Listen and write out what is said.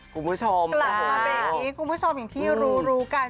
กลับมาเพิ่งนี้กรุ๊ปผู้ชมอย่างที่รู้รู้กัน